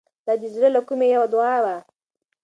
دا د زړه له کومې یوه دعا وه.